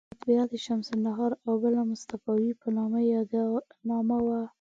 یوه مطبعه د شمس النهار او بله مصطفاوي په نامه وه.